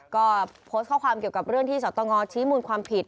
ก็โพสต์ข้อความเกี่ยวกับเรื่องที่สตงชี้มูลความผิด